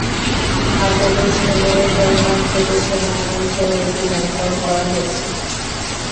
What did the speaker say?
আফগানিস্তানের হেলমান্দ প্রদেশের নামানুসারে নদীটির নামকরণ করা হয়েছে।